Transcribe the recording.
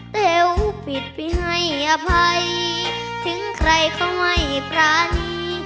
เต๋วปิดไปให้อภัยถึงใครก็ไม่ปรานี